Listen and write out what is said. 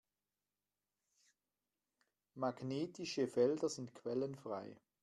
Magnetische Felder sind quellenfrei.